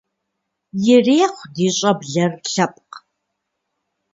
Ирехъу ди щӀэблэр лъэпкъ!